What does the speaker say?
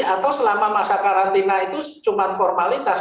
atau selama masa karantina itu cuma formalitas